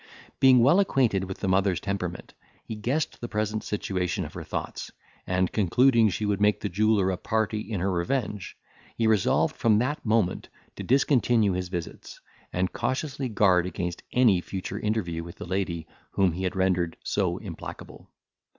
Being well acquainted with the mother's temperament, he guessed the present situation of her thoughts, and concluding she would make the jeweller a party in her revenge, he resolved from that moment to discontinue his visits, and cautiously guard against any future interview with the lady whom he had rendered so implacable.